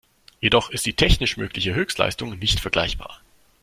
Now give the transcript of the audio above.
Jedoch ist die technisch mögliche Höchstleistung nicht vergleichbar.